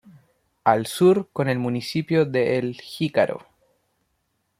Al sur con el municipio de El Jícaro.